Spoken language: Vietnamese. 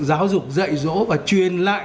giáo dục dạy dỗ và truyền lại